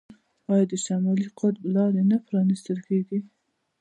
آیا د شمالي قطب لارې نه پرانیستل کیږي؟